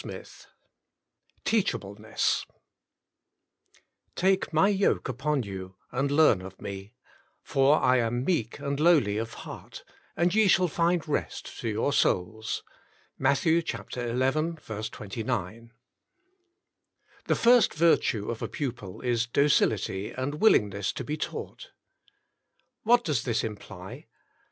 XVIII TEACHABLENESS " Take My yoke upon you and learn of Me : for I am meek and lowly of heart ; and ye shall find rest to your souls." — Matt. xi. 29. The first virtue of a pupil is docility and willing ness to be taught. What does this imply?